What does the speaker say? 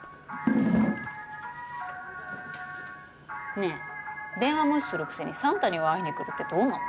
ねえ電話無視するくせにサンタには会いにくるってどうなの？